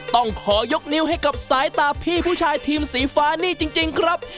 ต้องขอยกนิ้วให้กับสายตาพี่ผู้ชายทีมสีฟ้านี่จริงครับ